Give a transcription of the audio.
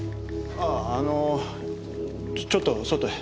あっあのちょっと外へ。